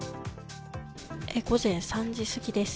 午前３時過ぎです。